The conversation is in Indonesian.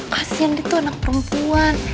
kasian dia tuh anak perempuan